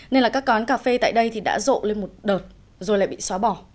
nên là các quán cà phê tại đây thì đã rộ lên một đợt rồi lại bị xóa bỏ